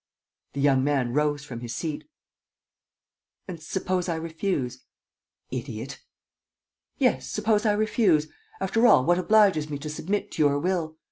The young man rose from his seat: "And suppose I refuse?" "Idiot!" "Yes, suppose I refuse? After all, what obliges me to submit to your will?